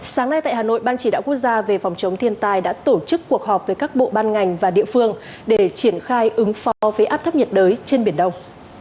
sáng nay tại hà nội ban chỉ đạo quốc gia về phòng chống thiên tai đã tổ chức cuộc họp với các bộ ban ngành và địa phương để triển khai ứng phó với áp thấp nhiệt đới trên biển đông